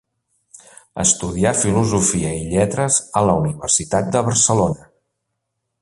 Estudià filosofia i lletres a la Universitat de Barcelona.